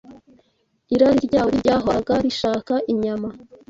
Irari ryabo ribi ryahoraga rishaka inyama